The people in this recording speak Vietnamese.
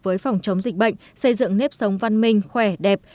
với phòng chống dịch bệnh xây dựng nếp sống văn minh khỏe đẹp